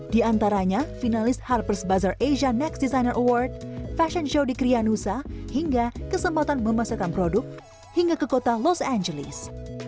di antaranya finalis harpers buzzer asia next designer award fashion show di krianusa hingga kesempatan memasarkan produk hingga ke kota los angeles